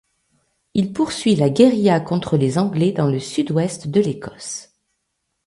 Il poursuit la guérilla contre les Anglais dans le sud-ouest de l'Écosse.